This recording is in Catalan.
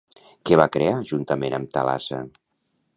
Què va crear juntament amb Thalassa?